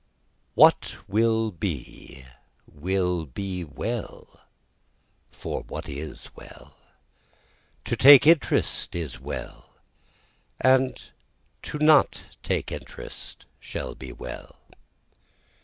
6 What will be will be well, for what is is well, To take interest is well, and not to take interest shall be well.